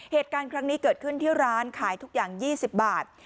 เหตุการณ์ครั้งนี้เกิดขึ้นที่ร้านขายทุกอย่าง๒๐บาท